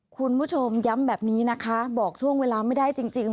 คุณผู้ชมย้ำแบบนี้นะคะบอกช่วงเวลาไม่ได้จริง